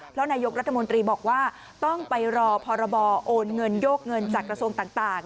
เพราะนายกรัฐมนตรีบอกว่าต้องไปรอพรบโอนเงินโยกเงินจากกระทรวงต่าง